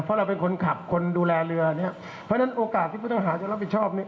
เพราะเราเป็นคนขับคนดูแลเรือเนี้ยเพราะฉะนั้นโอกาสที่ผู้ต้องหาจะรับผิดชอบเนี่ย